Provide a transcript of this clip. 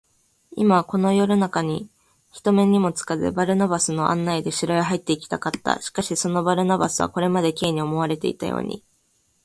今、この夜なかに、人目にもつかず、バルナバスの案内で城へ入っていきたかった。しかし、そのバルナバスは、これまで Ｋ に思われていたように、